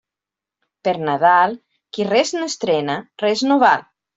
Per Nadal, qui res no estrena, res no val.